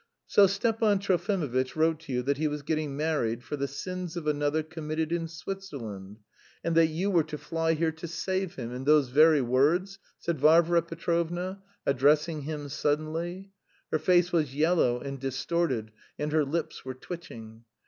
"So Stepan Trofimovitch wrote to you that he was getting married for the 'sins of another committed in Switzerland,' and that you were to fly here 'to save him,' in those very words?" said Varvara Petrovna, addressing him suddenly. Her face was yellow and distorted, and her lips were twitching.